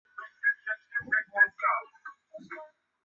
因治所在宛而得名。